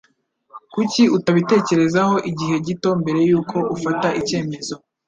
Kuki utabitekerezaho igihe gito mbere yuko ufata icyemezo?